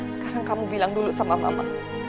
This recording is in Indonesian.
sekarang kamu bilang dulu sama mama